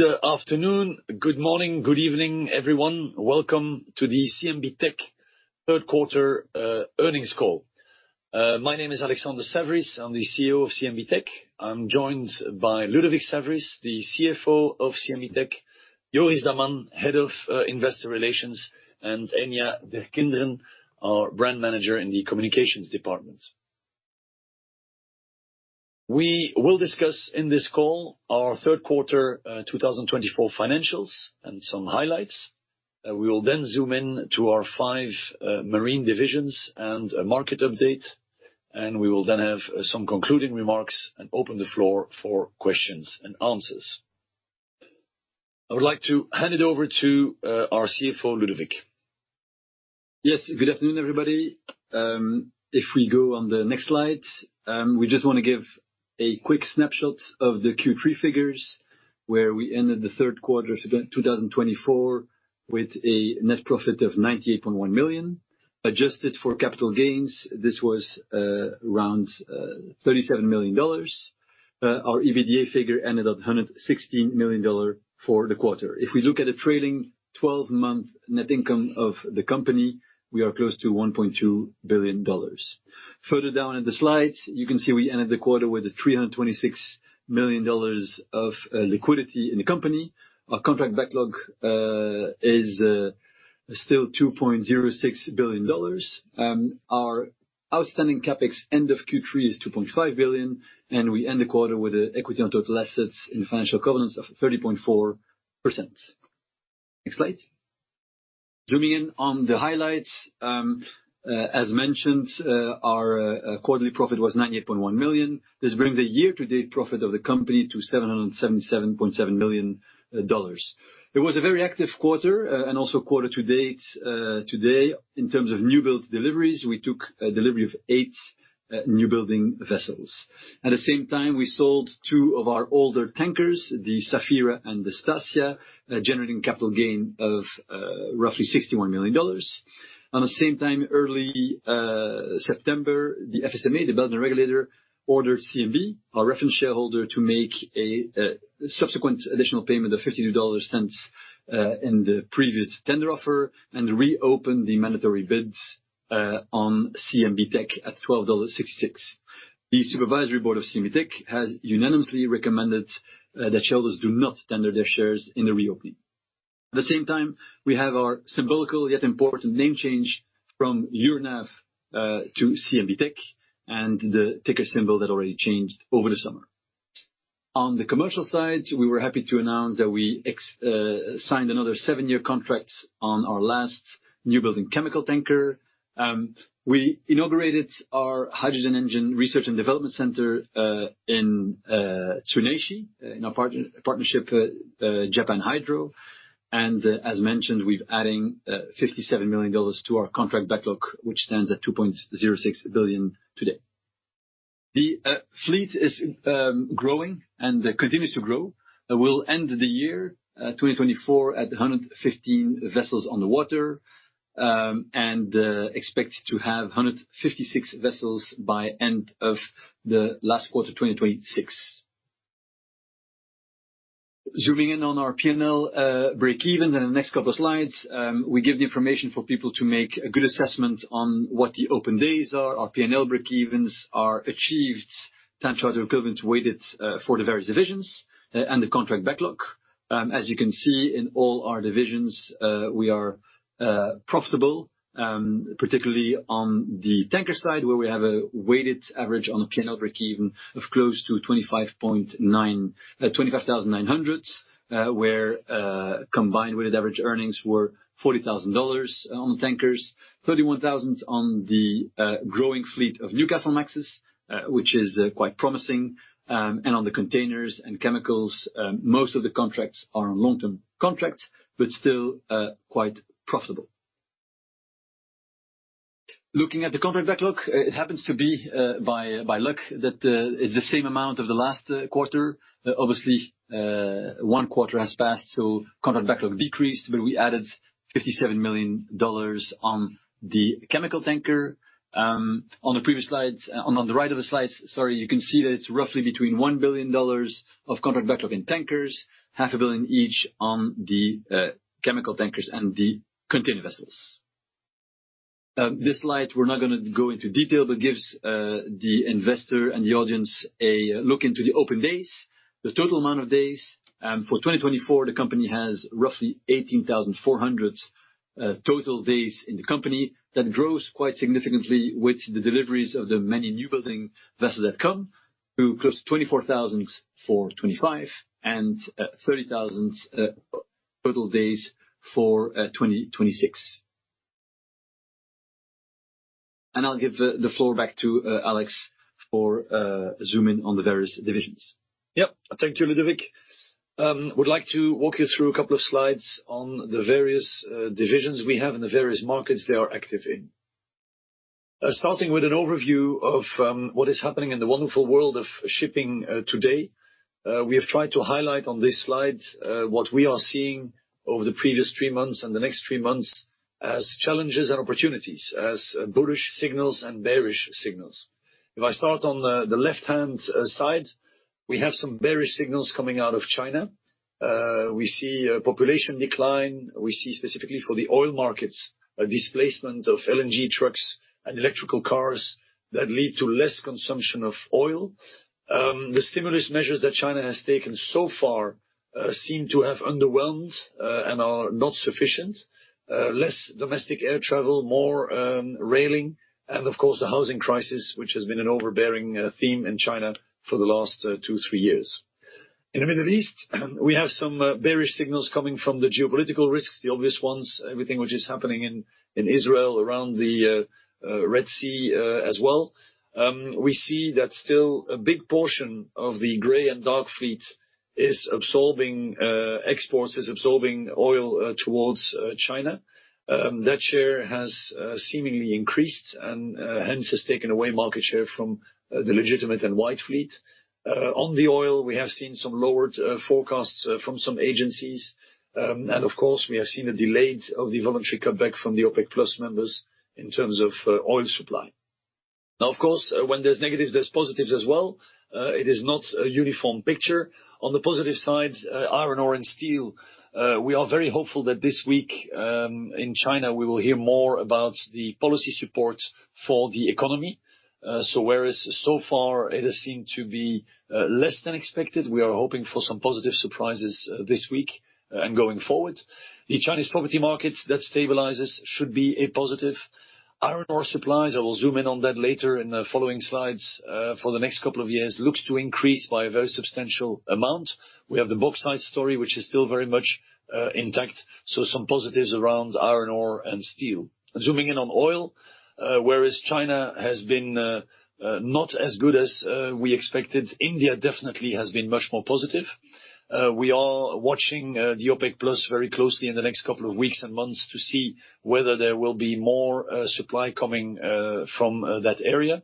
Good afternoon, good morning, good evening, everyone. Welcome to the CMBTECH Third Quarter Earnings Call. My name is Alexander Saverys, I'm the CEO of CMBTECH. I'm joined by Ludovic Saverys, the CFO of CMBTECH, Joris Daman, Head of Investor Relations, and Enya Derkinderen, our Brand Manager in the Communications Department. We will discuss in this call our third quarter 2024 financials and some highlights. We will then zoom in to our five marine divisions and a market update, and we will then have some concluding remarks and open the floor for questions and answers. I would like to hand it over to our CFO, Ludovic. Yes, good afternoon, everybody. If we go on the next slide, we just want to give a quick snapshot of the Q3 figures where we ended the third quarter 2024 with a net profit of $98.1 million. Adjusted for capital gains, this was around $37 million. Our EBITDA figure ended at $116 million for the quarter. If we look at the trailing 12-month net income of the company, we are close to $1.2 billion. Further down in the slides, you can see we ended the quarter with $326 million of liquidity in the company. Our contract backlog is still $2.06 billion. Our outstanding CapEx end of Q3 is $2.5 billion, and we end the quarter with an equity on total assets in financial governance of 30.4%. Next slide. Zooming in on the highlights, as mentioned, our quarterly profit was $98.1 million. This brings a year-to-date profit of the company to $777.7 million. It was a very active quarter and also quarter-to-date today. In terms of newbuild deliveries, we took delivery of eight newbuilding vessels. At the same time, we sold two of our older tankers, the Sapphira and the Statia, generating capital gain of roughly $61 million. At the same time, early September, the FSMA, the Belgian regulator, ordered CMB, our reference shareholder, to make a subsequent additional payment of $52 in the previous tender offer and reopen the mandatory bids on CMBTECH at $12.66. The supervisory board of CMBTECH has unanimously recommended that shareholders do not tender their shares in the reopening. At the same time, we have our symbolic yet important name change from Euronav to CMBTECH and the ticker symbol that already changed over the summer. On the commercial side, we were happy to announce that we signed another seven-year contract on our last new-building chemical tanker. We inaugurated our Hydrogen Engine Research and Development Center in TSUNEISHI, in our partnership with JPN H2YDRO. And as mentioned, we're adding $57 million to our contract backlog, which stands at $2.06 billion today. The fleet is growing and continues to grow. We'll end the year 2024 at 115 vessels on the water and expect to have 156 vessels by the end of the last quarter 2026. Zooming in on our P&L break-evens in the next couple of slides, we give the information for people to make a good assessment on what the open days are. Our P&L break-evens are achieved, time charter equivalent weighted for the various divisions and the contract backlog. As you can see, in all our divisions, we are profitable, particularly on the tanker side, where we have a weighted average on a P&L break-even of close to $25,900, where combined with average earnings were $40,000 on tankers, $31,000 on the growing fleet of Newcastlemaxes, which is quite promising, and on the containers and chemicals. Most of the contracts are on long-term contracts, but still quite profitable. Looking at the contract backlog, it happens to be by luck that it's the same amount of the last quarter. Obviously, one quarter has passed, so contract backlog decreased, but we added $57 million on the chemical tanker. On the previous slides, on the right of the slides, sorry, you can see that it's roughly between $1 billion of contract backlog in tankers, $500 million each on the chemical tankers and the container vessels. This slide, we're not going to go into detail, but gives the investor and the audience a look into the open days, the total amount of days. For 2024, the company has roughly 18,400 total days in the company. That grows quite significantly with the deliveries of the many new-building vessels that come to close to 24,000 for 2025 and 30,000 total days for 2026. I'll give the floor back to Alex for zooming in on the various divisions. Yep, thank you, Ludovic. I would like to walk you through a couple of slides on the various divisions we have and the various markets they are active in. Starting with an overview of what is happening in the wonderful world of shipping today, we have tried to highlight on this slide what we are seeing over the previous three months and the next three months as challenges and opportunities, as bullish signals and bearish signals. If I start on the left-hand side, we have some bearish signals coming out of China. We see a population decline. We see, specifically for the oil markets, a displacement of LNG trucks and electric cars that lead to less consumption of oil. The stimulus measures that China has taken so far seem to have underwhelmed and are not sufficient: less domestic air travel, more railing, and of course, the housing crisis, which has been an overhanging theme in China for the last two, three years. In the Middle East, we have some bearish signals coming from the geopolitical risks, the obvious ones, everything which is happening in Israel around the Red Sea as well. We see that still a big portion of the Gray and Dark Fleet is absorbing exports, is absorbing oil towards China. That share has seemingly increased and hence has taken away market share from the legitimate and white fleet. On the oil, we have seen some lowered forecasts from some agencies. And of course, we have seen a delay of the voluntary cutback from the OPEC+ members in terms of oil supply. Now, of course, when there's negatives, there's positives as well. It is not a uniform picture. On the positive side, iron ore and steel, we are very hopeful that this week in China, we will hear more about the policy support for the economy. So whereas so far it has seemed to be less than expected, we are hoping for some positive surprises this week and going forward. The Chinese property market that stabilizes should be a positive. Iron ore supplies, I will zoom in on that later in the following slides for the next couple of years, looks to increase by a very substantial amount. We have the bauxite story, which is still very much intact. So some positives around iron ore and steel. Zooming in on oil, whereas China has been not as good as we expected, India definitely has been much more positive. We are watching the OPEC+ very closely in the next couple of weeks and months to see whether there will be more supply coming from that area,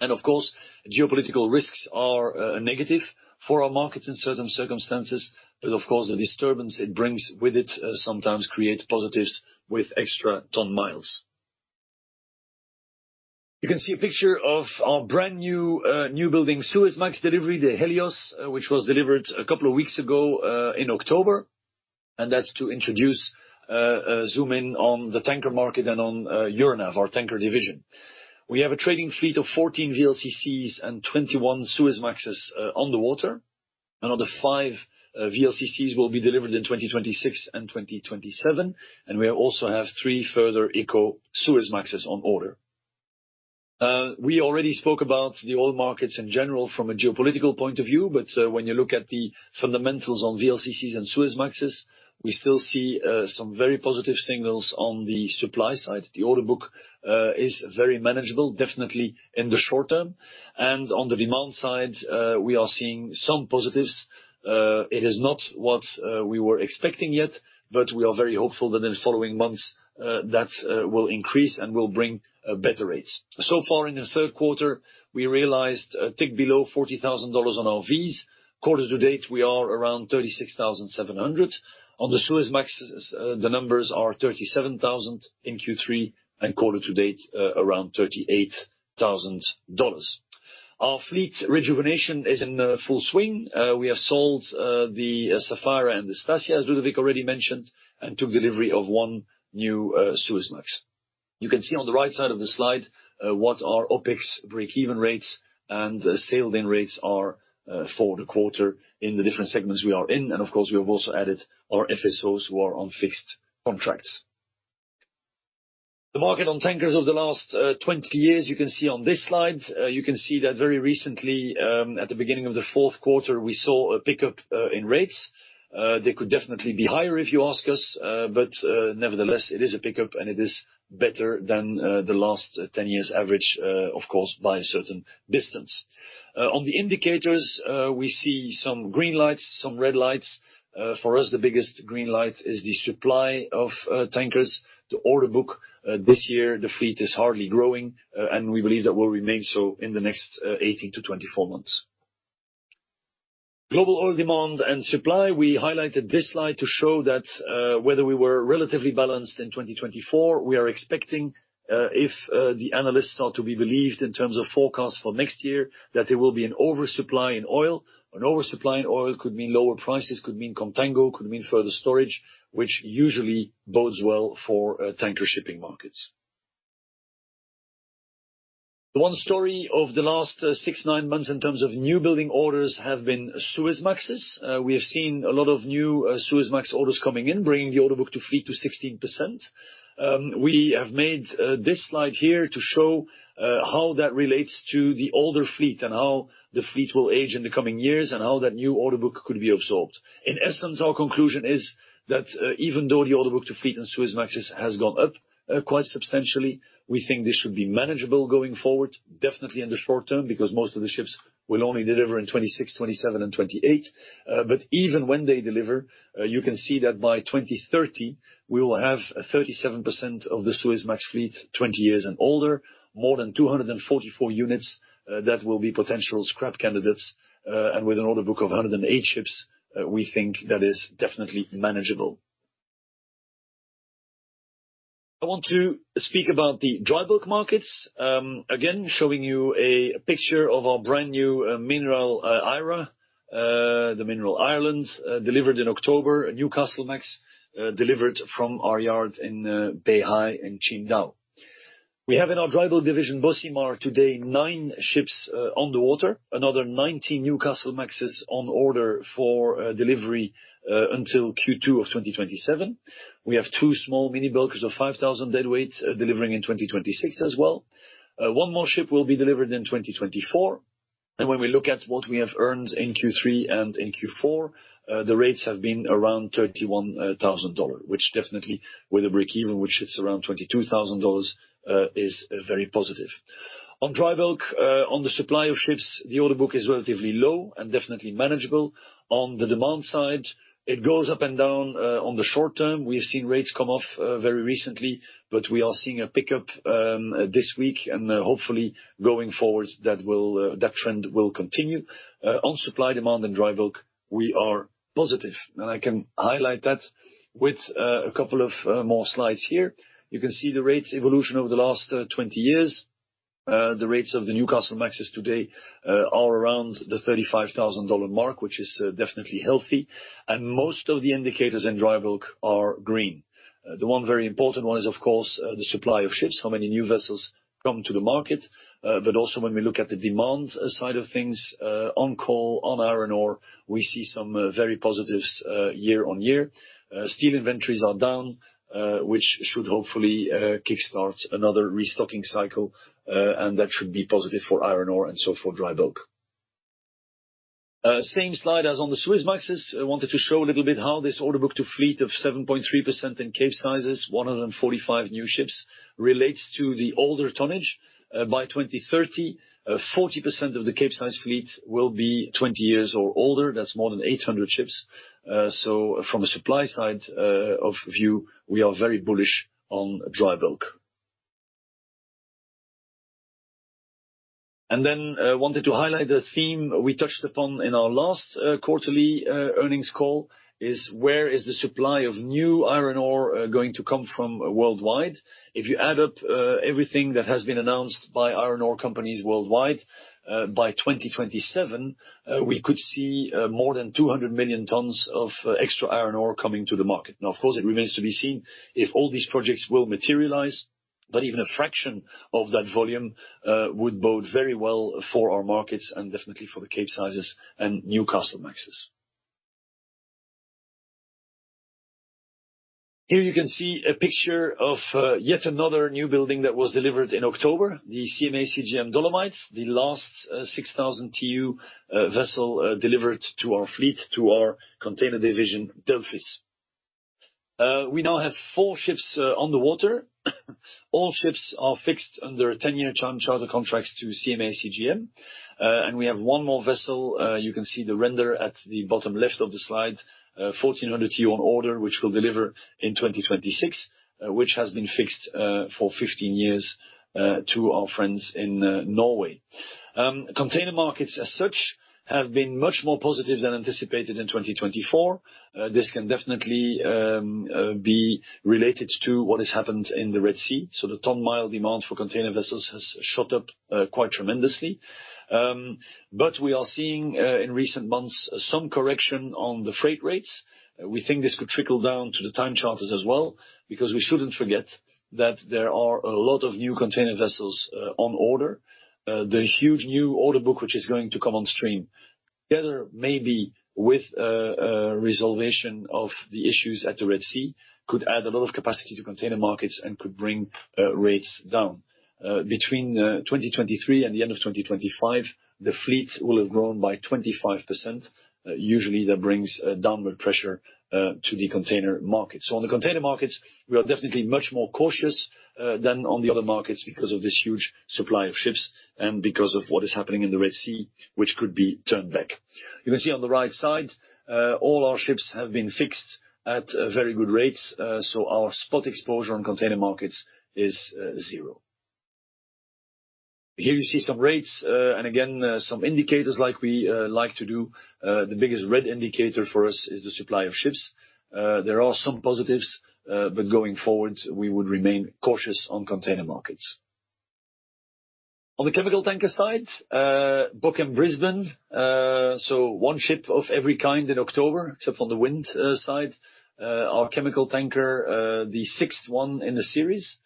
and of course, geopolitical risks are negative for our markets in certain circumstances, but of course, the disturbance it brings with it sometimes creates positives with extra ton miles. You can see a picture of our brand new new-building Suezmax delivery, the Helios, which was delivered a couple of weeks ago in October, and that's to introduce, zoom in on the tanker market and on Euronav, our tanker division. We have a trading fleet of 14 VLCCs and 21 Suezmaxes on the water. Another five VLCCs will be delivered in 2026 and 2027, and we also have three further Eco Suezmaxes on order. We already spoke about the oil markets in general from a geopolitical point of view, but when you look at the fundamentals on VLCCs and Suezmaxes, we still see some very positive signals on the supply side. The order book is very manageable, definitely in the short term. And on the demand side, we are seeing some positives. It is not what we were expecting yet, but we are very hopeful that in the following months that will increase and will bring better rates. So far in the third quarter, we realized a tick below $40,000 on our VLCCs. Quarter-to-date, we are around $36,700. On the Suezmax, the numbers are $37,000 in Q3 and quarter-to-date around $38,000. Our fleet rejuvenation is in full swing. We have sold the Sapphira and the Stasia, as Ludovic already mentioned, and took delivery of one new Suezmax. You can see on the right side of the slide what our OpEx break-even rates and S&P rates are for the quarter in the different segments we are in. And of course, we have also added our FSOs who are on fixed contracts. The market on tankers of the last 20 years, you can see on this slide, you can see that very recently, at the beginning of the fourth quarter, we saw a pickup in rates. They could definitely be higher if you ask us, but nevertheless, it is a pickup and it is better than the last 10 years' average, of course, by a certain distance. On the indicators, we see some green lights, some red lights. For us, the biggest green light is the supply of tankers. The orderbook this year, the fleet is hardly growing, and we believe that will remain so in the next 18-24 months. Global oil demand and supply, we highlighted this slide to show that whether we were relatively balanced in 2024, we are expecting if the analysts are to be believed in terms of forecasts for next year that there will be an oversupply in oil. An oversupply in oil could mean lower prices, could mean contango, could mean further storage, which usually bodes well for tanker shipping markets. The one story of the last six, nine months in terms of newbuilding orders has been Suezmaxes. We have seen a lot of new Suezmax orders coming in, bringing the orderbook-to-fleet to 16%. We have made this slide here to show how that relates to the older fleet and how the fleet will age in the coming years and how that new order book could be absorbed. In essence, our conclusion is that even though the order book to fleet in Suezmaxes has gone up quite substantially, we think this should be manageable going forward, definitely in the short term because most of the ships will only deliver in 2026, 2027, and 2028. But even when they deliver, you can see that by 2030, we will have 37% of the Suezmax fleet 20 years and older, more than 244 units that will be potential scrap candidates. And with an order book of 108 ships, we think that is definitely manageable. I want to speak about the dry bulk markets, again, showing you a picture of our brand new Mineral Ireland, the Mineral Ireland, delivered in October, Newcastlemax delivered from our yard in Beihai in Qingdao. We have in our dry bulk division, Bocimar, today nine ships on the water, another 90 Newcastlemaxes on order for delivery until Q2 of 2027. We have two small mini bulks of 5,000 deadweight delivering in 2026 as well. One more ship will be delivered in 2024. When we look at what we have earned in Q3 and in Q4, the rates have been around $31,000, which definitely with a break-even, which hits around $22,000, is very positive. On dry bulk, on the supply of ships, the order book is relatively low and definitely manageable. On the demand side, it goes up and down on the short term. We have seen rates come off very recently, but we are seeing a pickup this week and hopefully going forward that trend will continue. On supply demand and dry bulk, we are positive. And I can highlight that with a couple of more slides here. You can see the rates evolution over the last 20 years. The rates of the Newcastlemaxes today are around the $35,000 mark, which is definitely healthy. And most of the indicators in dry bulk are green. The one very important one is, of course, the supply of ships, how many new vessels come to the market. But also when we look at the demand side of things, on coal, on iron ore, we see some very positives year on year. Steel inventories are down, which should hopefully kickstart another restocking cycle, and that should be positive for iron ore and so for dry bulk. Same slide as on the Suezmaxes. I wanted to show a little bit how this order book to fleet of 7.3% in Capesizes, 145 new ships, relates to the older tonnage. By 2030, 40% of the Capesize fleet will be 20 years or older. That's more than 800 ships. So from a supply side of view, we are very bullish on dry bulk. And then I wanted to highlight the theme we touched upon in our last quarterly earnings call is where is the supply of new iron ore going to come from worldwide? If you add up everything that has been announced by iron ore companies worldwide, by 2027, we could see more than 200 million tons of extra iron ore coming to the market. Now, of course, it remains to be seen if all these projects will materialize, but even a fraction of that volume would bode very well for our markets and definitely for the Capesizes and Newcastlemaxes. Here you can see a picture of yet another new building that was delivered in October, the CMA CGM Dolomites, the last 6,000 TEU vessel delivered to our fleet, to our container division, Delphis. We now have four ships on the water. All ships are fixed under 10-year time charter contracts to CMA CGM. And we have one more vessel. You can see the render at the bottom left of the slide, 1,400 TEU on order, which will deliver in 2026, which has been fixed for 15 years to our friends in Norway. Container markets as such have been much more positive than anticipated in 2024. This can definitely be related to what has happened in the Red Sea. So the ton mile demand for container vessels has shot up quite tremendously. But we are seeing in recent months some correction on the freight rates. We think this could trickle down to the time charters as well, because we shouldn't forget that there are a lot of new container vessels on order. The huge new order book, which is going to come on stream, together maybe with a resolution of the issues at the Red Sea, could add a lot of capacity to container markets and could bring rates down. Between 2023 and the end of 2025, the fleet will have grown by 25%. Usually, that brings downward pressure to the container market. So on the container markets, we are definitely much more cautious than on the other markets because of this huge supply of ships and because of what is happening in the Red Sea, which could be turned back. You can see on the right side, all our ships have been fixed at very good rates. So our spot exposure on container markets is zero. Here you see some rates and again, some indicators like we like to do. The biggest red indicator for us is the supply of ships. There are some positives, but going forward, we would remain cautious on container markets. On the chemical tanker side, Bochem Brisbane, so one ship of every kind in October, except on the wind side, our chemical tanker, the sixth one in the series.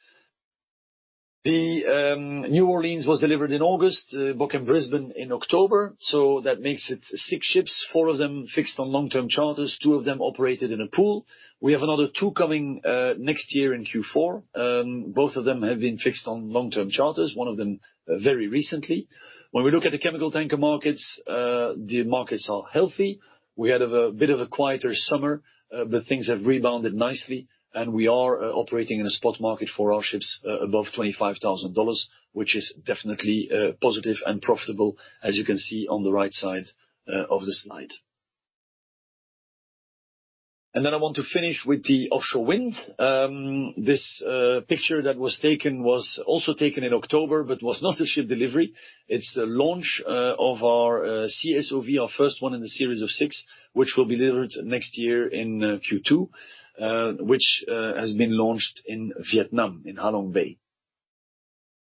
The New Orleans was delivered in August, Bochem Brisbane in October. So that makes it six ships, four of them fixed on long-term charters, two of them operated in a pool. We have another two coming next year in Q4. Both of them have been fixed on long-term charters, one of them very recently. When we look at the chemical tanker markets, the markets are healthy. We had a bit of a quieter summer, but things have rebounded nicely. And we are operating in a spot market for our ships above $25,000, which is definitely positive and profitable, as you can see on the right side of the slide. And then I want to finish with the offshore wind. This picture that was taken was also taken in October, but was not a ship delivery. It's the launch of our CSOV, our first one in the series of six, which will be delivered next year in Q2, which has been launched in Vietnam, in Halong Bay.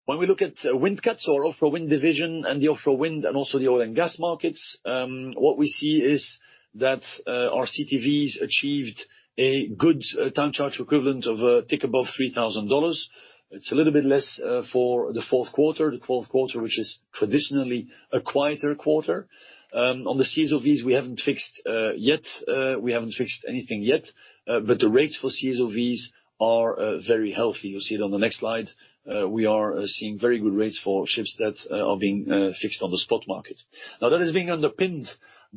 When we look at Windcat's offshore wind division and the offshore wind and also the oil and gas markets, what we see is that our CTVs achieved a good time charter equivalent of a tick above $3,000. It's a little bit less for the fourth quarter, the first quarter, which is traditionally a quieter quarter. On the CSOVs, we haven't fixed yet. We haven't fixed anything yet, but the rates for CSOVs are very healthy. You'll see it on the next slide. We are seeing very good rates for ships that are being fixed on the spot market. Now, that has been underpinned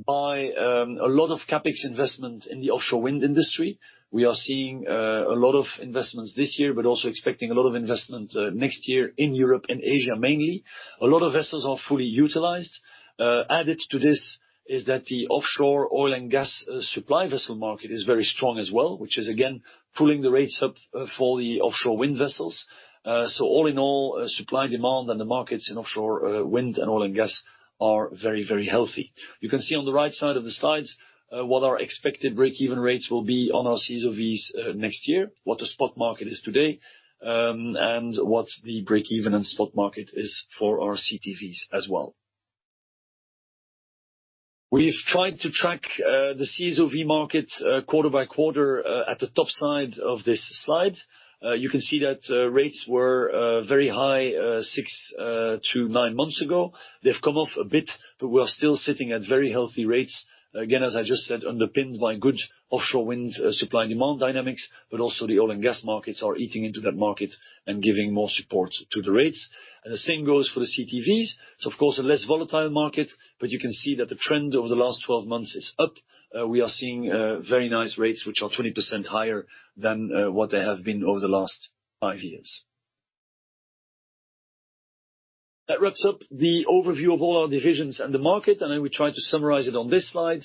by a lot of CapEx investment in the offshore wind industry. We are seeing a lot of investments this year, but also expecting a lot of investment next year in Europe and Asia mainly. A lot of vessels are fully utilized. Added to this is that the offshore oil and gas supply vessel market is very strong as well, which is again pulling the rates up for the offshore wind vessels. So all in all, supply demand and the markets in offshore wind and oil and gas are very, very healthy. You can see on the right side of the slides what our expected break-even rates will be on our CSOVs next year, what the spot market is today, and what the break-even and spot market is for our CTVs as well. We've tried to track the CSOV market quarter by quarter at the top side of this slide. You can see that rates were very high six to nine months ago. They've come off a bit, but we're still sitting at very healthy rates. Again, as I just said, underpinned by good offshore wind supply demand dynamics, but also the oil and gas markets are eating into that market and giving more support to the rates. And the same goes for the CTVs. It's, of course, a less volatile market, but you can see that the trend over the last 12 months is up. We are seeing very nice rates, which are 20% higher than what they have been over the last five years. That wraps up the overview of all our divisions and the market, and I will try to summarize it on this slide.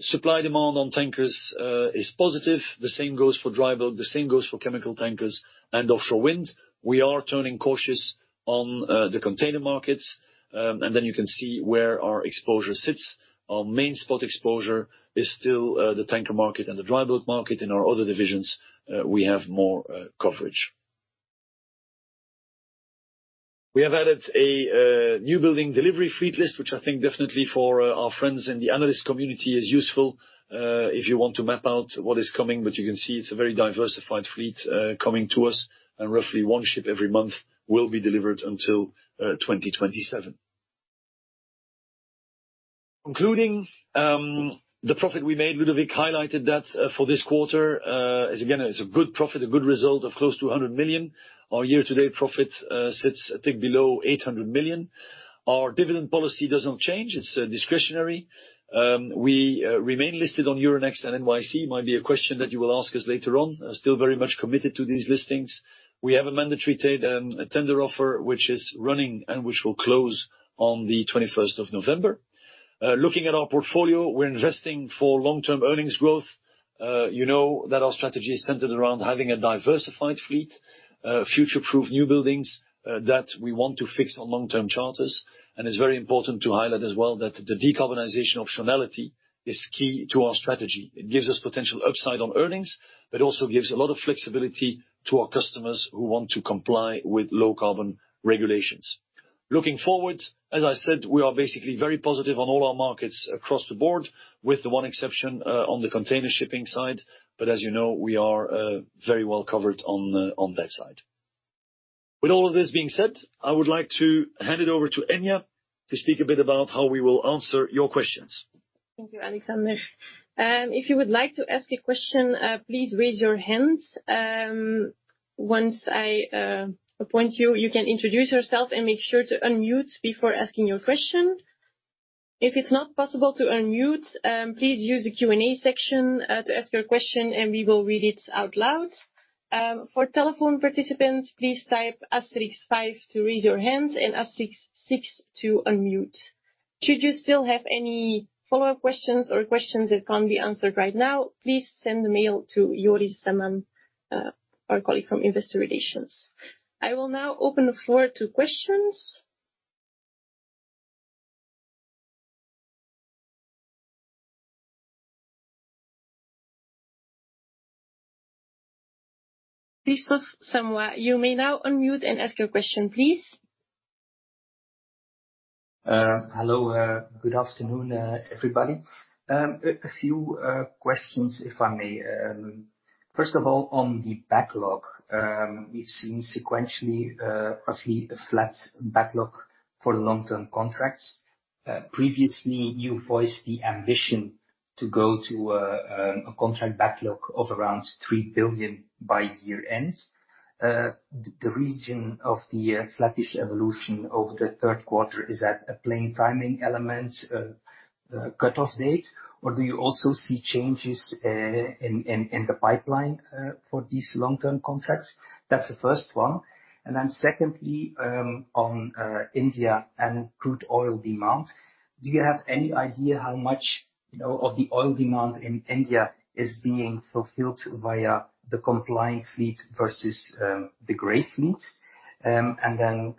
Supply demand on tankers is positive. The same goes for dry bulk. The same goes for chemical tankers and offshore wind. We are turning cautious on the container markets. And then you can see where our exposure sits. Our main spot exposure is still the tanker market and the dry bulk market. In our other divisions, we have more coverage. We have added a new building delivery fleet list, which I think definitely for our friends in the analyst community is useful if you want to map out what is coming. But you can see it's a very diversified fleet coming to us, and roughly one ship every month will be delivered until 2027. Concluding the profit we made, Ludovic highlighted that for this quarter, again, it's a good profit, a good result of close to $100 million. Our year-to-date profit sits a tick below $800 million. Our dividend policy doesn't change. It's discretionary. We remain listed on Euronext and NYSE. It might be a question that you will ask us later on. Still very much committed to these listings. We have a mandatory tender offer, which is running and which will close on the 21st of November. Looking at our portfolio, we're investing for long-term earnings growth. You know that our strategy is centered around having a diversified fleet, future-proof new buildings that we want to fix on long-term charters. And it's very important to highlight as well that the decarbonization optionality is key to our strategy. It gives us potential upside on earnings, but also gives a lot of flexibility to our customers who want to comply with low-carbon regulations. Looking forward, as I said, we are basically very positive on all our markets across the board, with the one exception on the container shipping side. But as you know, we are very well covered on that side. With all of this being said, I would like to hand it over to Enya to speak a bit about how we will answer your questions. Thank you, Alexander. If you would like to ask a question, please raise your hand. Once I appoint you, you can introduce yourself and make sure to unmute before asking your question. If it's not possible to unmute, please use the Q&A section to ask your question, and we will read it out loud. For telephone participants, please type asterisk five to raise your hand and asterisk six to unmute. Should you still have any follow-up questions or questions that can't be answered right now, please send the mail to Joris Daman, our colleague from Investor Relations. I will now open the floor to questions. Christophe Samyn, you may now unmute and ask your question, please. Hello, good afternoon, everybody. A few questions, if I may. First of all, on the backlog, we've seen sequentially roughly a flat backlog for long-term contracts. Previously, you voiced the ambition to go to a contract backlog of around $3 billion by year-end. The reason of the sluggish evolution over the third quarter is that a plain timing element, the cutoff date, or do you also see changes in the pipeline for these long-term contracts? That's the first one. And then secondly, on India and crude oil demand, do you have any idea how much of the oil demand in India is being fulfilled via the compliant fleet versus the gray fleet? And then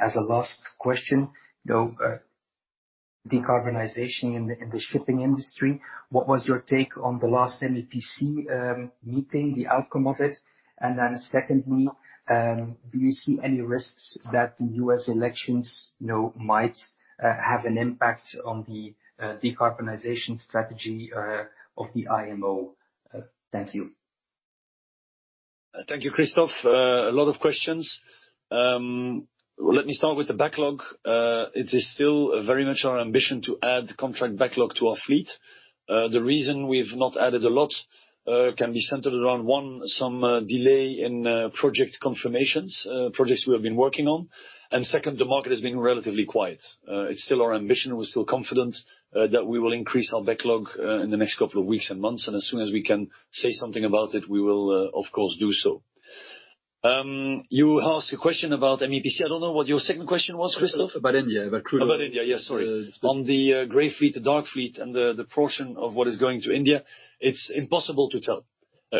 as a last question, decarbonization in the shipping industry, what was your take on the last MEPC meeting, the outcome of it? And then secondly, do you see any risks that the U.S. elections might have an impact on the decarbonization strategy of the IMO? Thank you. Thank you, Christophe. A lot of questions. Let me start with the backlog. It is still very much our ambition to add contract backlog to our fleet. The reason we've not added a lot can be centered around, one, some delay in project confirmations, projects we have been working on. And second, the market has been relatively quiet. It's still our ambition. We're still confident that we will increase our backlog in the next couple of weeks and months. And as soon as we can say something about it, we will, of course, do so. You asked a question about MEPC. I don't know what your second question was, Christophe. About India, but crude oil. About India, yes. Sorry. On the gray fleet, the dark fleet, and the portion of what is going to India, it's impossible to tell.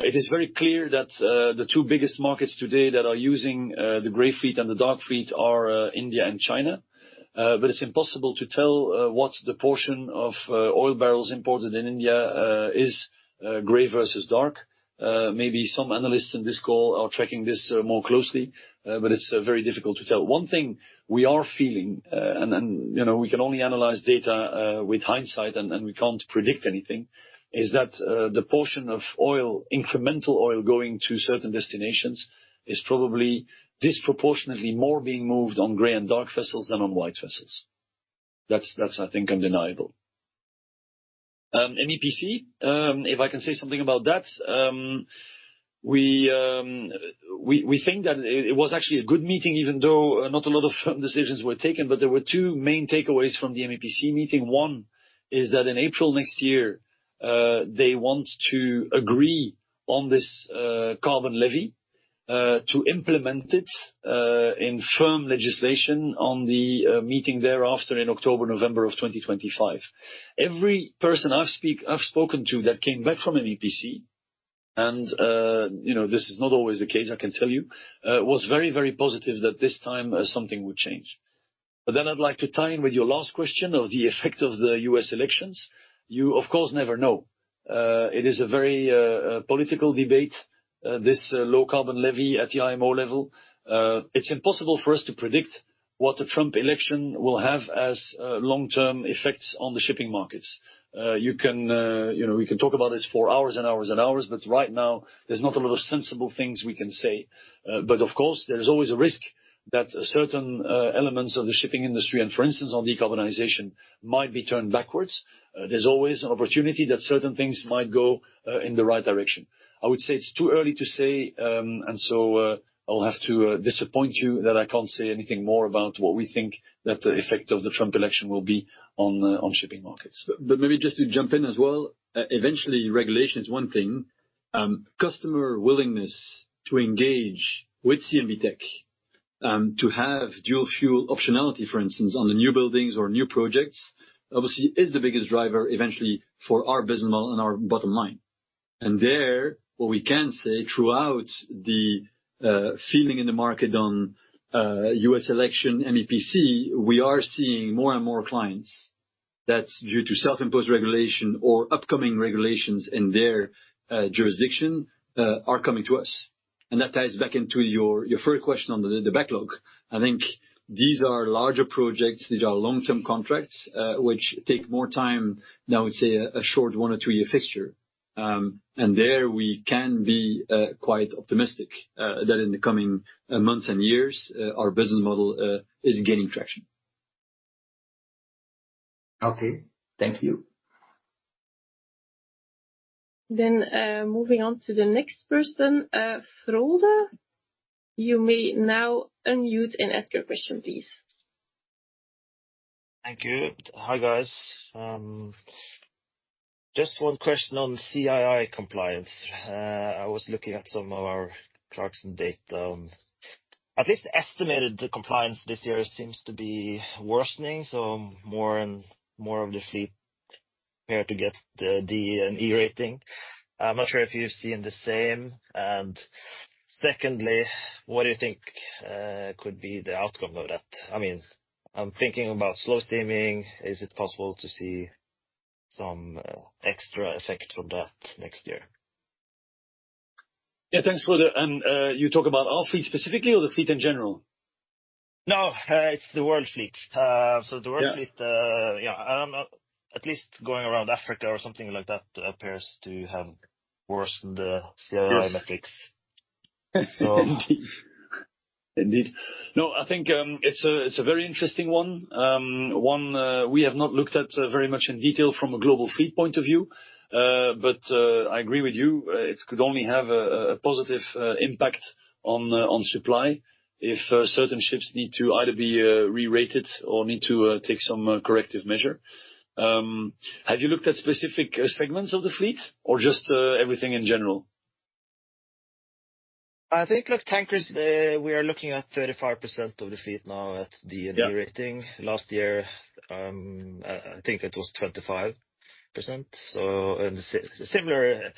It is very clear that the two biggest markets today that are using the gray fleet and the dark fleet are India and China. But it's impossible to tell what the portion of oil barrels imported in India is, gray versus dark. Maybe some analysts in this call are tracking this more closely, but it's very difficult to tell. One thing we are feeling, and we can only analyze data with hindsight and we can't predict anything, is that the portion of oil, incremental oil going to certain destinations, is probably disproportionately more being moved on gray and dark vessels than on white vessels. That's, I think, undeniable. MEPC, if I can say something about that, we think that it was actually a good meeting, even though not a lot of firm decisions were taken. But there were two main takeaways from the MEPC meeting. One is that in April next year, they want to agree on this carbon levy to implement it in firm legislation on the meeting thereafter in October, November of 2025. Every person I've spoken to that came back from MEPC, and this is not always the case, I can tell you, was very, very positive that this time something would change. But then I'd like to tie in with your last question of the effect of the U.S. elections. You, of course, never know. It is a very political debate, this low carbon levy at the IMO level. It's impossible for us to predict what a Trump election will have as long-term effects on the shipping markets. We can talk about this for hours and hours and hours, but right now, there's not a lot of sensible things we can say. But of course, there's always a risk that certain elements of the shipping industry, and for instance, on decarbonization, might be turned backwards. There's always an opportunity that certain things might go in the right direction. I would say it's too early to say, and so I'll have to disappoint you that I can't say anything more about what we think that the effect of the Trump election will be on shipping markets. But maybe just to jump in as well, eventually, regulation is one thing. Customer willingness to engage with CMBTECH, to have dual fuel optionality, for instance, on the new buildings or new projects, obviously is the biggest driver eventually for our business model and our bottom line. And there, what we can say throughout the feeling in the market on U.S. election, MEPC, we are seeing more and more clients that due to self-imposed regulation or upcoming regulations in their jurisdiction are coming to us. And that ties back into your first question on the backlog. I think these are larger projects. These are long-term contracts which take more time than I would say a short one or two-year fixture. And there we can be quite optimistic that in the coming months and years, our business model is gaining traction. Okay. Thank you. Then moving on to the next person, Frode. You may now unmute and ask your question, please. Thank you. Hi, guys. Just one question on CII compliance. I was looking at some of our trends and data. On at least estimated the compliance this year seems to be worsening, so more and more of the fleet prepared to get the D&E rating. I'm not sure if you've seen the same. And secondly, what do you think could be the outcome of that? I mean, I'm thinking about slow steaming. Is it possible to see some extra effect from that next year? Yeah, thanks, Frode. And you talk about our fleet specifically or the fleet in general? No, it's the world fleet. So the world fleet, yeah, at least going around Africa or something like that appears to have worsened the CII metrics. Indeed. No, I think it's a very interesting one. One we have not looked at very much in detail from a global fleet point of view, but I agree with you. It could only have a positive impact on supply if certain ships need to either be re-rated or need to take some corrective measure. Have you looked at specific segments of the fleet or just everything in general? I think last tankers, we are looking at 35% of the fleet now at D&E rating. Last year, I think it was 25%. So similar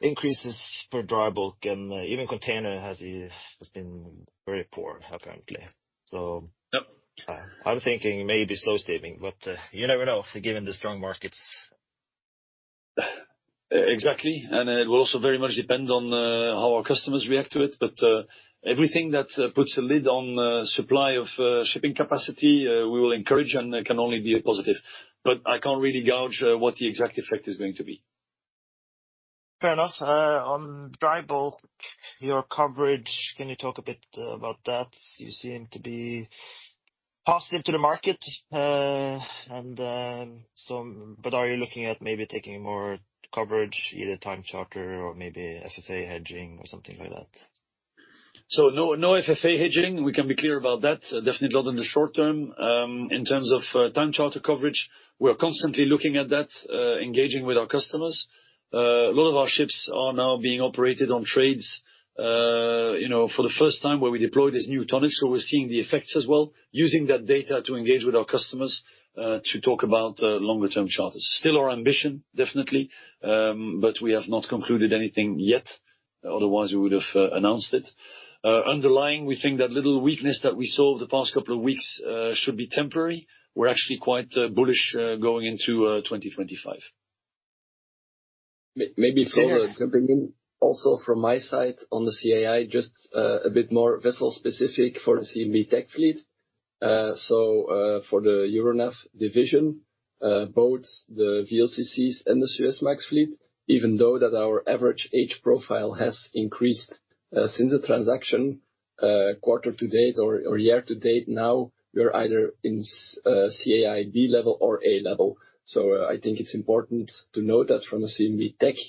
increases for dry bulk and even container has been very poor apparently. So I'm thinking maybe slow steaming, but you never know given the strong markets. Exactly. And it will also very much depend on how our customers react to it. But everything that puts a lid on supply of shipping capacity, we will encourage and can only be positive. But I can't really gauge what the exact effect is going to be. Fair enough. On dry bulk, your coverage, can you talk a bit about that? You seem to be positive on the market. But are you looking at maybe taking more coverage, either time charter or maybe FFA hedging or something like that? So no FFA hedging. We can be clear about that. Definitely not in the short term. In terms of time charter coverage, we're constantly looking at that, engaging with our customers. A lot of our ships are now being operated on trades for the first time where we deploy this new tonnage. So we're seeing the effects as well, using that data to engage with our customers to talk about longer-term charters. Still our ambition, definitely, but we have not concluded anything yet. Otherwise, we would have announced it. Underlying, we think that little weakness that we saw the past couple of weeks should be temporary. We're actually quite bullish going into 2025. Maybe Frode, jumping in also from my side on the CII, just a bit more vessel specific for the CMBTECH fleet. For the Euronav division, both the VLCCs and the Suezmax fleet, even though our average age profile has increased since the transaction, quarter to date or year to date, now we're either in CII B level or A level. I think it's important to note that from a CMBTECH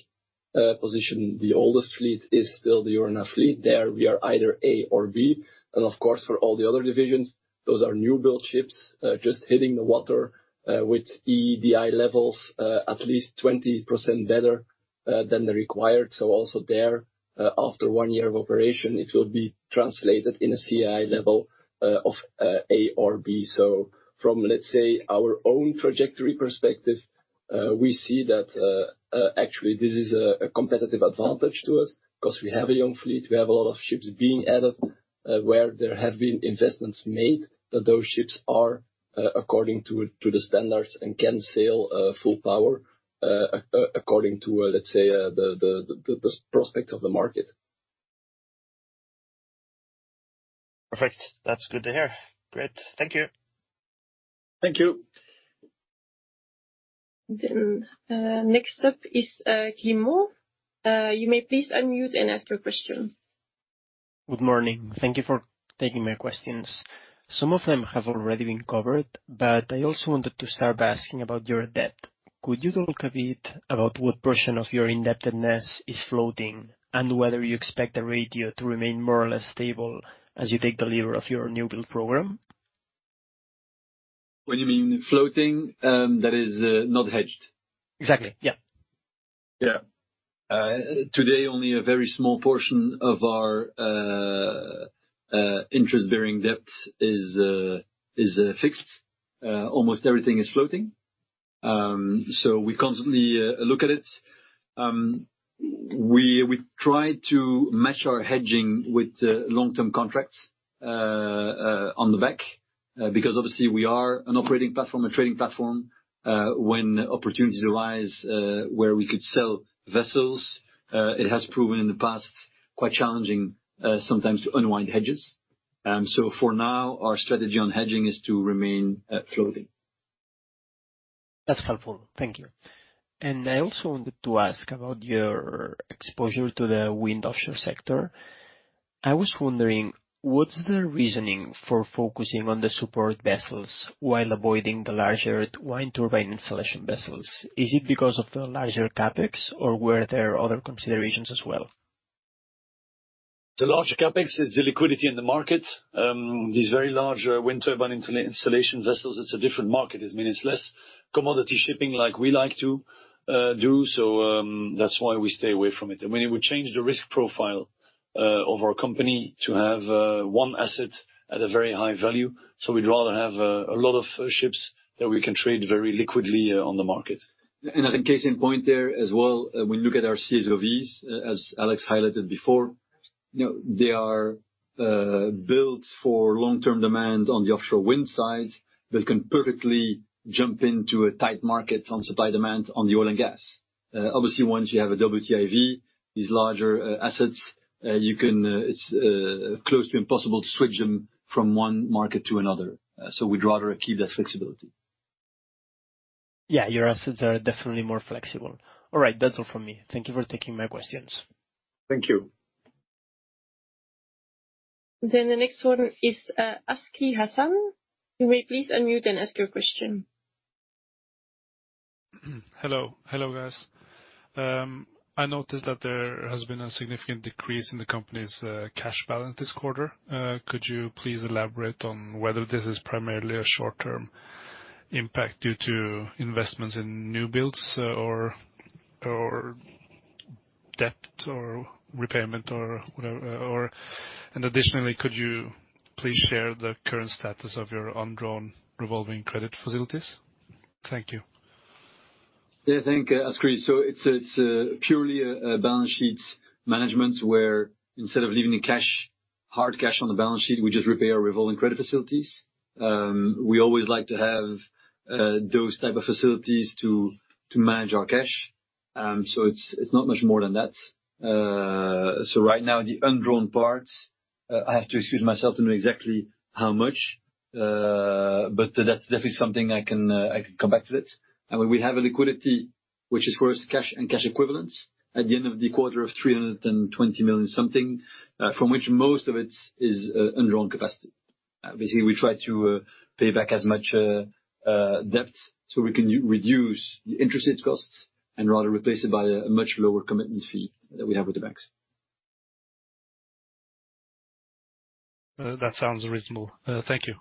position, the oldest fleet is still the Euronav fleet. There we are either A or B. Of course, for all the other divisions, those are new build ships just hitting the water with EEDI levels at least 20% better than the required. So also there, after one year of operation, it will be translated into a CII level of A or B. So from, let's say, our own trajectory perspective, we see that actually this is a competitive advantage to us because we have a young fleet. We have a lot of ships being added where there have been investments made that those ships are according to the standards and can sail full power according to, let's say, the prospects of the market. Perfect. That's good to hear. Great. Thank you. Thank you. Then next up is Guilherme. You may please unmute and ask your question. Good morning. Thank you for taking my questions. Some of them have already been covered, but I also wanted to start by asking about your debt. Could you talk a bit about what portion of your indebtedness is floating and whether you expect the ratio to remain more or less stable as you take the leverage of your new build program? When you mean floating, that is not hedged. Exactly. Yeah. Yeah. Today, only a very small portion of our interest-bearing debt is fixed. Almost everything is floating. So we constantly look at it. We try to match our hedging with long-term contracts on the back because obviously we are an operating platform, a trading platform. When opportunities arise where we could sell vessels, it has proven in the past quite challenging sometimes to unwind hedges. So for now, our strategy on hedging is to remain floating. That's helpful. Thank you. And I also wanted to ask about your exposure to the offshore wind sector. I was wondering, what's the reasoning for focusing on the support vessels while avoiding the larger wind turbine installation vessels? Is it because of the larger CapEx or were there other considerations as well? The larger CapEx is the liquidity in the market. These very large wind turbine installation vessels, it's a different market. It means less commodity shipping like we like to do. So that's why we stay away from it. And when it would change the risk profile of our company to have one asset at a very high value. So we'd rather have a lot of ships that we can trade very liquidly on the market. Another case in point there as well, when you look at our CSOVs, as Alex highlighted before, they are built for long-term demand on the offshore wind side. They can perfectly jump into a tight market on supply demand on the oil and gas. Obviously, once you have a WTIV, these larger assets, it's close to impossible to switch them from one market to another. So we'd rather keep that flexibility. Yeah, your assets are definitely more flexible. All right. That's all from me. Thank you for taking my questions. Thank you. Then the next one is [Askiy Hasan]. You may please unmute and ask your question. Hello. Hello, guys. I noticed that there has been a significant decrease in the company's cash balance this quarter. Could you please elaborate on whether this is primarily a short-term impact due to investments in new builds or debt or repayment or whatever? And additionally, could you please share the current status of your undrawn revolving credit facilities? Thank you. Yeah, thank you, Askiy. So it's purely a balance sheet management where instead of leaving the cash, hard cash on the balance sheet, we just repay revolving credit facilities. We always like to have those type of facilities to manage our cash. So it's not much more than that. So right now, the undrawn part, I have to excuse myself, I don't know exactly how much, but that's definitely something I can come back to it. And we have a liquidity, which is, of course, cash and cash equivalents at the end of the quarter of $320 million something, from which most of it is undrawn capacity. Basically, we try to pay back as much debt so we can reduce the interest rate costs and rather replace it by a much lower commitment fee that we have with the banks. That sounds reasonable. Thank you.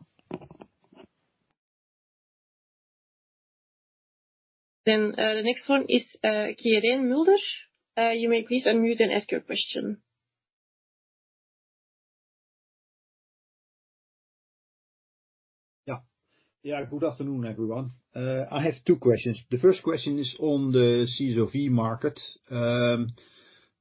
Then the next one is [Quirijn Mulder]. You may please unmute and ask your question. Yeah. Yeah, good afternoon, everyone. I have two questions. The first question is on the CSOV market.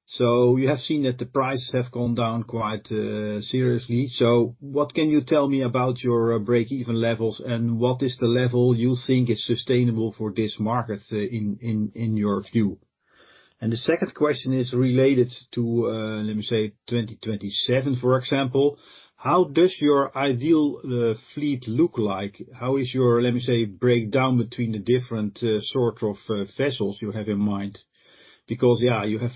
So you have seen that the prices have gone down quite seriously. So what can you tell me about your break-even levels and what is the level you think is sustainable for this market in your view? And the second question is related to, let me say, 2027, for example. How does your ideal fleet look like? How is your, let me say, breakdown between the different sorts of vessels you have in mind? Because, yeah, you have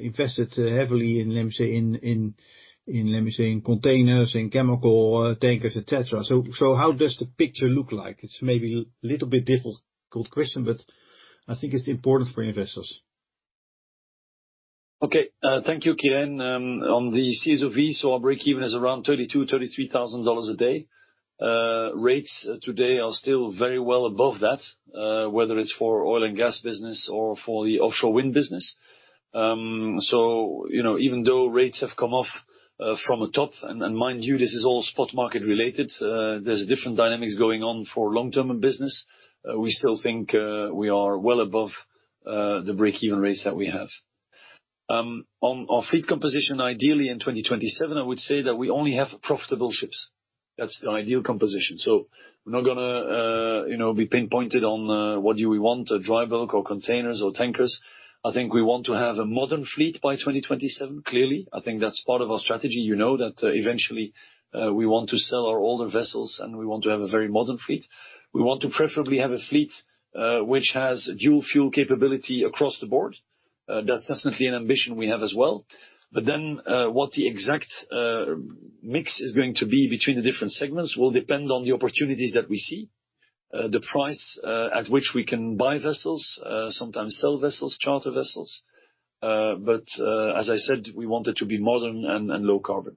invested heavily in, let me say, in containers and chemical tankers, etc. So how does the picture look like? It's maybe a little bit difficult question, but I think it's important for investors. Okay. Thank you, [Quirijn]. On the CSOV, so our break-even is around $32,000-$33,000 a day. Rates today are still very well above that, whether it's for oil and gas business or for the offshore wind business, so even though rates have come off from a top, and mind you, this is all spot market related, there's different dynamics going on for long-term business. We still think we are well above the break-even rates that we have. On our fleet composition, ideally in 2027, I would say that we only have profitable ships, so we're not going to be pinpointed on what do we want, dry bulk or containers or tankers. I think we want to have a modern fleet by 2027, clearly. I think that's part of our strategy. You know that eventually we want to sell our older vessels and we want to have a very modern fleet. We want to preferably have a fleet which has dual fuel capability across the board. That's definitely an ambition we have as well. But then what the exact mix is going to be between the different segments will depend on the opportunities that we see, the price at which we can buy vessels, sometimes sell vessels, charter vessels. But as I said, we want it to be modern and low carbon.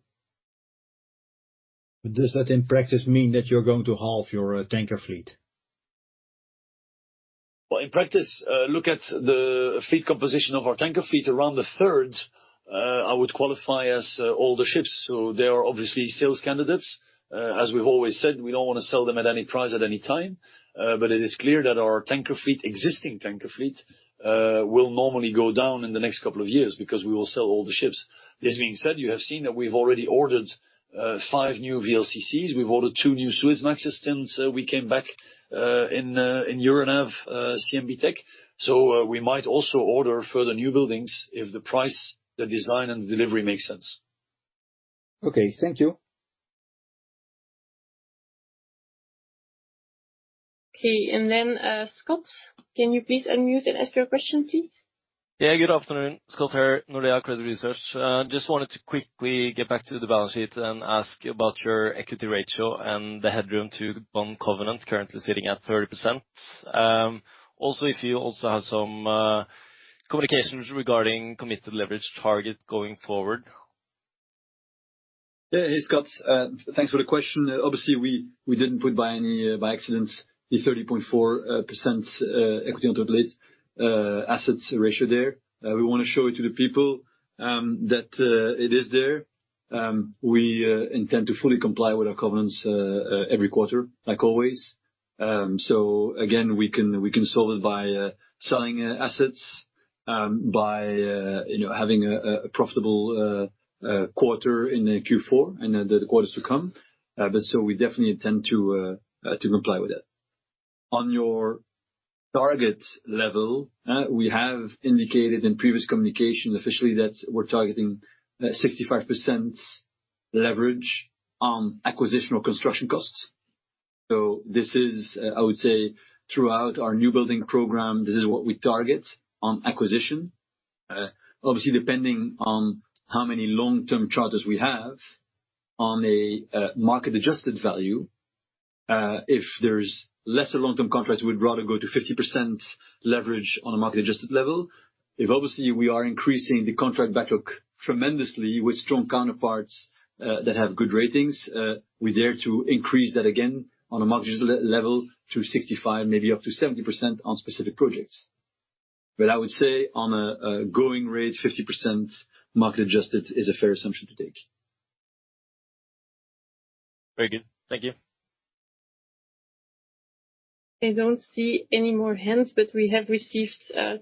Does that in practice mean that you're going to halve your tanker fleet? Well, in practice, look at the fleet composition of our tanker fleet, around a third, I would qualify as older ships. So they are obviously sales candidates. As we've always said, we don't want to sell them at any price at any time. But it is clear that our tanker fleet, existing tanker fleet, will normally go down in the next couple of years because we will sell older ships. This being said, you have seen that we've already ordered five new VLCCs. We've ordered two new Suezmax systems. We came back in Euronav CMBTECH. So we might also order further new buildings if the price, the design, and the delivery make sense. Okay. Thank you. Okay. And then Scott, can you please unmute and ask your question, please? Yeah. Good afternoon. Scott here, Nordea Research. Just wanted to quickly get back to the balance sheet and ask about your equity ratio and the headroom to bond covenant currently sitting at 30%. Also, if you also have some communications regarding committed leverage target going forward. Hey, Scott, thanks for the question. Obviously, we didn't put it by accident the 30.4% equity on the loan-to-asset ratio there. We want to show it to the people that it is there. We intend to fully comply with our covenants every quarter, like always. So again, we can solve it by selling assets, by having a profitable quarter in Q4 and the quarters to come. But so we definitely intend to comply with that. On your target level, we have indicated in previous communication officially that we're targeting 65% leverage on acquisition or construction costs. So this is, I would say, throughout our new building program, this is what we target on acquisition. Obviously, depending on how many long-term charters we have on a market-adjusted value, if there's lesser long-term contracts, we'd rather go to 50% leverage on a market-adjusted level. If obviously we are increasing the contract backlog tremendously with strong counterparts that have good ratings, we dare to increase that again on a market-adjusted level to 65%, maybe up to 70% on specific projects. But I would say on a going rate, 50% market-adjusted is a fair assumption to take. Very good. Thank you. I don't see any more hands, but we have received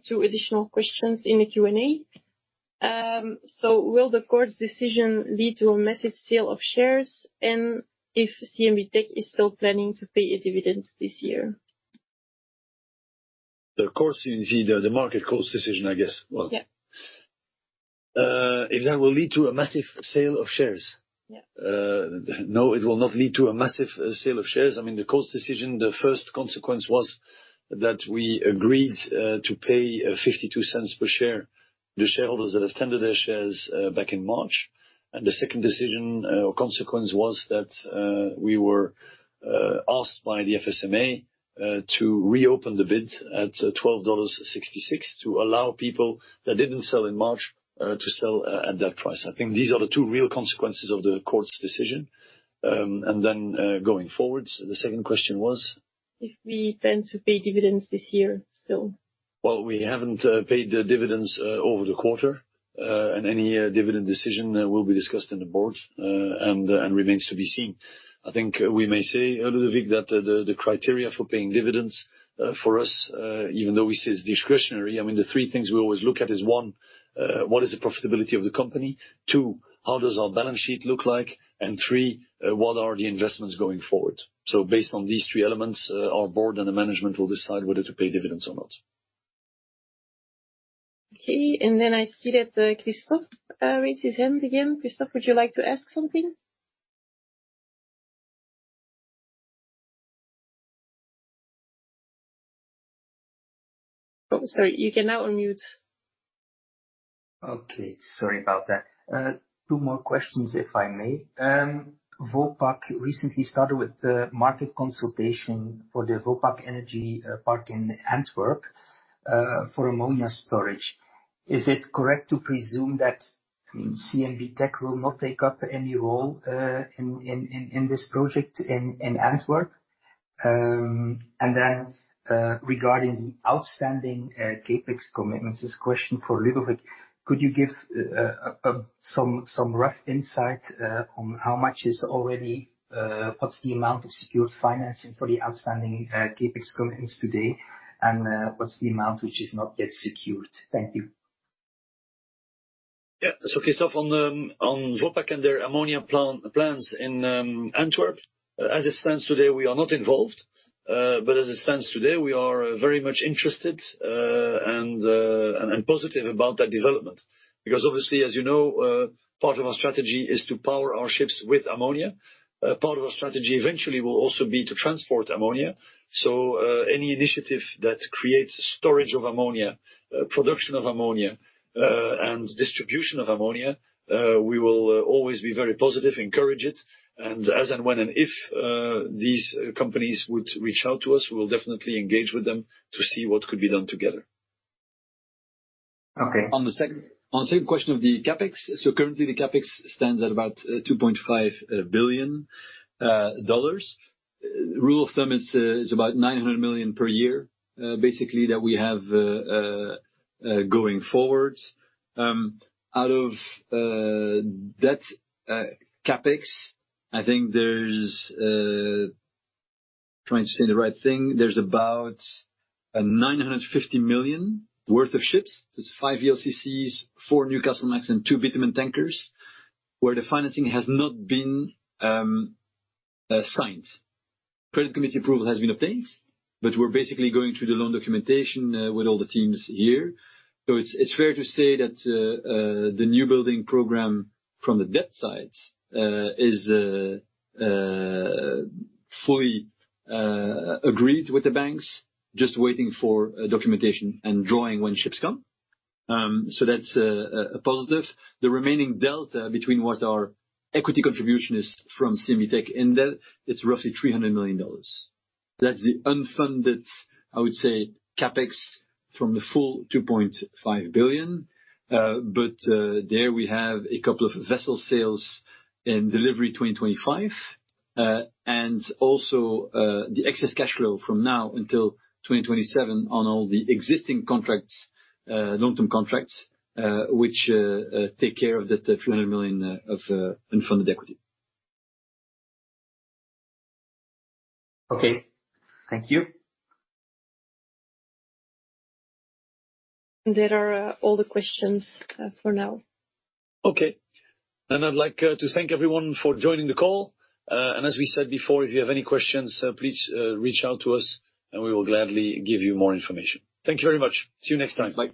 two additional questions in the Q&A. So will the court's decision lead to a massive sale of shares and if CMBTECH is still planning to pay a dividend this year? The court's decision, the market court's decision, I guess. Well, if that will lead to a massive sale of shares? No, it will not lead to a massive sale of shares. I mean, the court's decision. The first consequence was that we agreed to pay $0.52 per share to shareholders that have tendered their shares back in March. And the second decision or consequence was that we were asked by the FSMA to reopen the bid at $12.66 to allow people that didn't sell in March to sell at that price. I think these are the two real consequences of the court's decision. And then going forward, the second question was, "If we plan to pay dividends this year still." Well, we haven't paid dividends over the quarter, and any dividend decision will be discussed in the board and remains to be seen. I think we may say, Ludovic, that the criteria for paying dividends for us, even though we see it's discretionary, I mean, the three things we always look at is one, what is the profitability of the company? Two, how does our balance sheet look like? And three, what are the investments going forward? So based on these three elements, our board and the management will decide whether to pay dividends or not. Okay. And then I see that Christoph raises his hand again. Christoph, would you like to ask something? Oh, sorry, you can now unmute. Okay. Sorry about that. Two more questions, if I may. Vopak recently started with market consultation for the Vopak Energy Park in Antwerp for ammonia storage. Is it correct to presume that CMBTECH will not take up any role in this project in Antwerp? And then, regarding the outstanding CapEx commitments, this question for Ludovic: could you give some rough insight on how much is already—what's the amount of secured financing for the outstanding CapEx commitments today, and what's the amount which is not yet secured? Thank you. Yeah. So, Christoph, on Vopak and their ammonia plans in Antwerp, as it stands today, we are not involved. But as it stands today, we are very much interested and positive about that development. Because obviously, as you know, part of our strategy is to power our ships with ammonia. Part of our strategy eventually will also be to transport ammonia. So any initiative that creates storage of ammonia, production of ammonia, and distribution of ammonia, we will always be very positive, encourage it. And as and when and if these companies would reach out to us, we will definitely engage with them to see what could be done together. Okay. On the second question of the CapEx, so currently the CapEx stands at about $2.5 billion. Rule of thumb is about $900 million per year, basically, that we have going forward. Out of that CapEx, I think there's, trying to say the right thing, there's about $950 million worth of ships. There's five VLCCs, four Newcastlemax, and two Bitumen tankers, where the financing has not been signed. Credit committee approval has been obtained, but we're basically going through the loan documentation with all the teams here. So it's fair to say that the new building program from the debt side is fully agreed with the banks, just waiting for documentation and drawing when ships come. So that's a positive. The remaining delta between what our equity contribution is from CMBTECH in debt, it's roughly $300 million. That's the unfunded, I would say, CapEx from the full $2.5 billion. But there we have a couple of vessel sales in delivery 2025, and also the excess cash flow from now until 2027 on all the existing contracts, long-term contracts, which take care of that $300 million of unfunded equity. Okay. Thank you. That's all the questions for now. Okay. And I'd like to thank everyone for joining the call. And as we said before, if you have any questions, please reach out to us, and we will gladly give you more information. Thank you very much. See you next time.